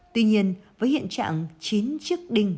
tuy nhiên với hiện trạng chín chiếc đinh